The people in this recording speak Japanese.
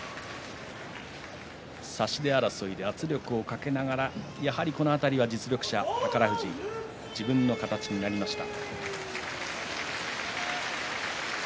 差し手争い、圧力をかけながらやはり、この辺り実力者、宝富士自分の形になりました。